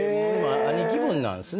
兄貴分なんすね。